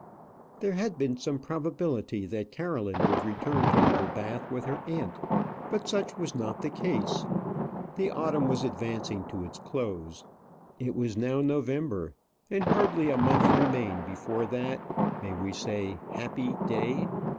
There had been some probability that Caroline would return to Littlebath with her aunt; but such was not the case. The autumn was advancing to its close. It was now November, and hardly a month remained before that may we say happy day?